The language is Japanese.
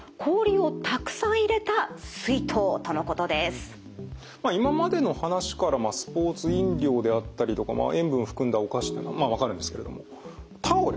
まずはまあ今までの話からスポーツ飲料であったりとか塩分を含んだお菓子っていうのはまあ分かるんですけれどもタオル。